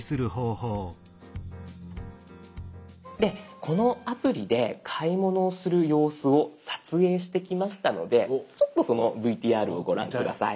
でこのアプリで買い物をする様子を撮影してきましたのでちょっとそのＶＴＲをご覧下さい。